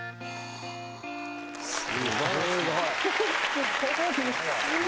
すごい。